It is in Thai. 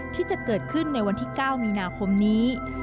ที่จะเกิดขึ้นในวันที่๙มีนาคมนี้